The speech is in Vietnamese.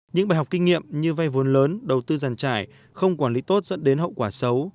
những bài học kinh nghiệm như vay vốn lớn đầu tư giàn trải không quản lý tốt dẫn đến hậu quả xấu